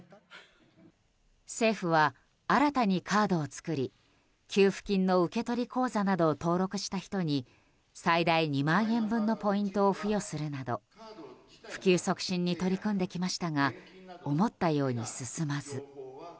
政府は、新たにカードを作り給付金の受け取り口座などを登録した人に最大２万円分のポイントを付与するなど普及促進に取り組んできましたが思ったように進まず。